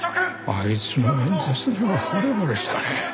あいつの演説にはほれぼれしたね。